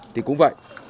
thì cũng vậy